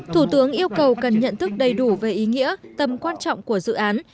thủ tướng yêu cầu cần nhận thức đầy đủ về ý nghĩa tầm quan trọng của dự án